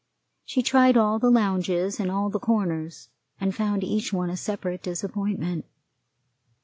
She tried all the lounges and all the corners, and found each one a separate disappointment.